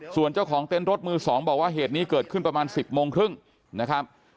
ส่วนเจ้าของเต้นรถมือ๒บอกว่าเหตุนี้เกิดขึ้นประมาณ๑๐โมงครึ่งนะครับ